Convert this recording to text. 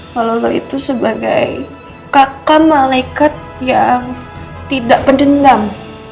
kalau lo itu sebagai kakak malaikat yang tidak pedendam